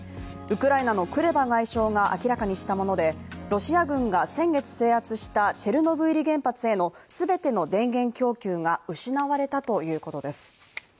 ウクライナのクレバ外相が明らかにしたものでロシア軍が先月制圧したチェルノブイリ原発への全ての電源供給が失われたということです。